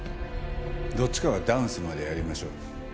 どっちかがダウンするまでやりましょう。